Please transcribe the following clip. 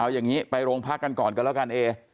เอาอย่างนี้ไปโรงพักกันก่อนกันแล้วกันเอ